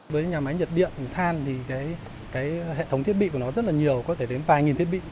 với nhà máy nhiệt điện than thì cái hệ thống thiết bị của nó rất là nhiều có thể đến vài nghìn thiết bị